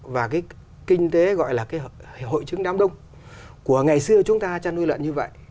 và cái kinh tế gọi là cái hội chứng đám đông của ngày xưa chúng ta chăn nuôi lợn như vậy